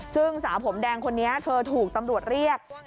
ซึ่งสาวผมแดงคนนี้เธอถูกตำรวจเรียก